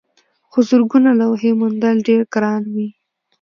خو زرګونه لوحې موندل ډېر ګران وي.